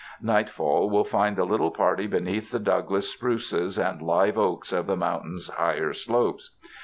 Nightfall will find the little party beneath the Douglas spruces and live oaks of the mountain's higher slopes.